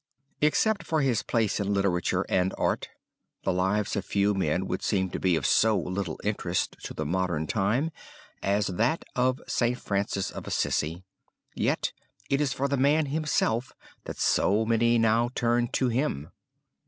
Except for his place in literature and art, the lives of few men would seem to be of so little interest to the modern time as that of St. Francis of Assisi, yet it is for the man himself that so many now turn to him.